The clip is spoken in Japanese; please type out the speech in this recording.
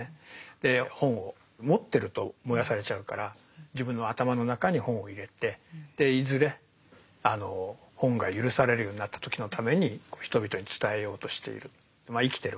で本を持ってると燃やされちゃうから自分の頭の中に本を入れていずれ本が許されるようになった時のために人々に伝えようとしている。